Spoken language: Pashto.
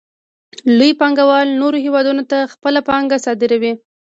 لوی پانګوال نورو هېوادونو ته خپله پانګه صادروي